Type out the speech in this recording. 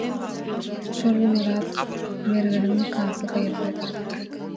Şol gün Oraz mergeniň nikasy gyýyldy.